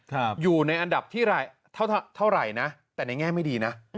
อยู่ในอันดับที่เท่าเท่าไหร่นะแต่ในแง่ไม่ดีนะ